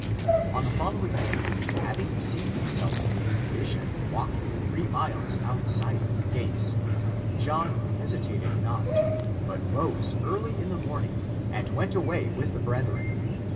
On the following day, having seen himself in a vision walking three miles outside of the gates, John hesitated not, but rose early in the morning, and went away with the brethren.